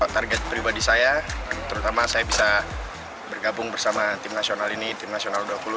target pribadi saya terutama saya bisa bergabung bersama tim nasional ini tim nasional u dua puluh